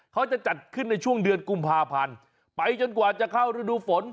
เขาจะจัดขึ้นในช่วงเดือนกุมภาพันธ์ไปจนกว่าจะเข้าฤดูฝน